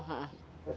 yuk thanks ya